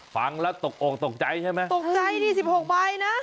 ฟังแล้วตกอกตกใจใช่ไหมตกใจดิ๑๖ใบนะ